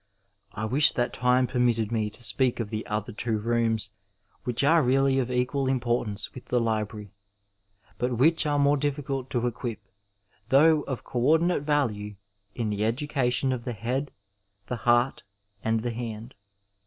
(I wish that time permitted me to speak of the other two rooms which are really of equal importance with the library, but which are more difficult to equip, though of co ordinate value in the education of the head, the heart, and the hand.)